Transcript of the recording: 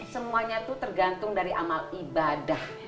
semuanya itu tergantung dari amal ibadah